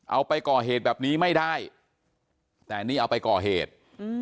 เอาไปก่อเหตุแบบนี้ไม่ได้แต่นี่เอาไปก่อเหตุ